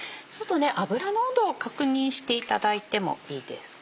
油の温度を確認していただいてもいいですか？